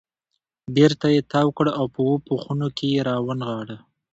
بېرته یې تاو کړ او په اوو پوښونو کې یې را ونغاړه.